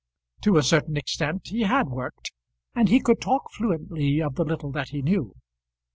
To a certain extent he had worked, and he could talk fluently of the little that he knew.